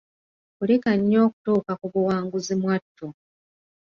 Kulika nnyo okutuuka ku buwanguzi mwattu!